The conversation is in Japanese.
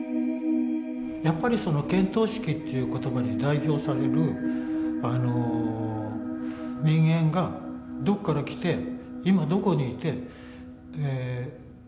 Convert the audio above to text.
やっぱり見当識っていう言葉に代表される人間がどっから来て今どこにいてええ